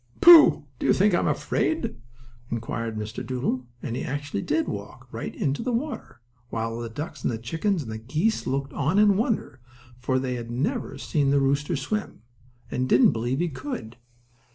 "Pooh! Do you think I'm afraid?" inquired Mr. Doodle, and he actually did walk right into the water, while all the ducks and chickens and geese looked on in wonder, for they had never seen the rooster swim, and didn't believe he could.